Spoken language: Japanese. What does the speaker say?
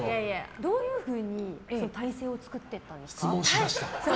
どういうふうに耐性を作っていったんですか？